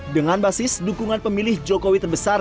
dengan basis dukungan pemilih joko widodo terbesar